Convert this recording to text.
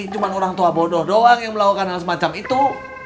cuma orang tua bodoh doang yang melakukan hal semacam itu